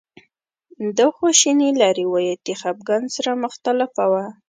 دا خواشیني له روایتي خپګان سره مختلفه وه.